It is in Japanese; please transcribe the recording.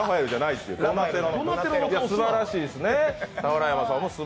すばらしいですね。